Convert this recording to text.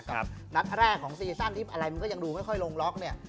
นัดแรกของซีซั่นที่อะไรมันก็ยังดูไม่ค่อยลงล็อกเนี่ย